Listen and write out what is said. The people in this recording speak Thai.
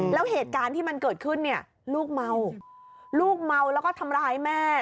แล้วเหตุการณ์ที่มันเกิดขึ้นเนี่ยลูกเมาลูกเมาแล้วก็ทำร้ายแม่